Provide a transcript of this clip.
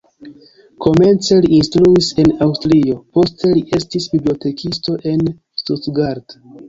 Komence li instruis en Aŭstrio, poste li estis bibliotekisto en Stuttgart.